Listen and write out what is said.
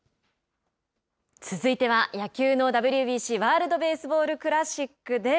続いては野球のＷＢＣ・ワールドベースボールクラシックです。